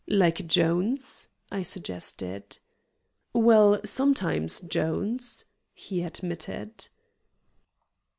"Like 'Jones'?" I suggested. "Well, sometimes 'Jones'," he admitted.